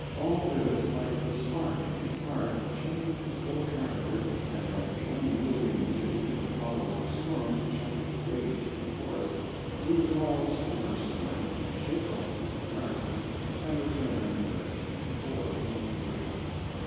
All this lighted a spark in his heart that changed his whole character, and like the unyielding Deity that follows the storm to check its rage in the forest, he resolves for the first time to shake off his embarrassment and return where he had before only worshiped.